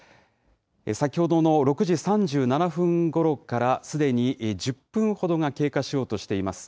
先ほどの６時３７分ごろから、すでに１０分ほどが経過しようとしています。